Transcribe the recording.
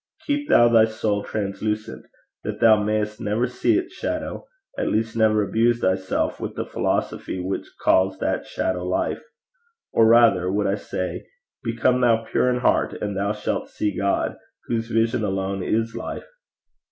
Keep thou thy soul translucent, that thou mayest never see its shadow; at least never abuse thyself with the philosophy which calls that shadow life. Or, rather would I say, become thou pure in heart, and thou shalt see God, whose vision alone is life.